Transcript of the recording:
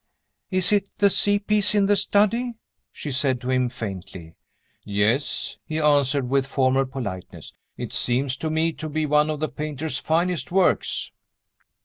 "Is it the sea piece in the study?" she said to him faintly. "Yes," he answered, with formal politeness; "it seems to me to be one of the painter's finest works."